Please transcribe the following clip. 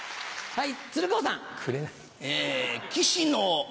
はい。